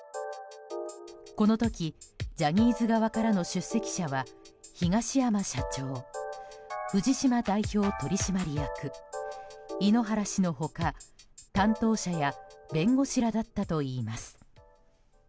この時ジャニーズ側からの出席者は東山社長、藤島代表取締役井ノ原氏の他担当者や弁護士らだったといいます。